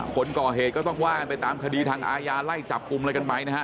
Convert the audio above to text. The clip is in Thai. คนก่อเหตุก็ต้องว่ากันไปตามคดีทางอาญาไล่จับกลุ่มอะไรกันไปนะฮะ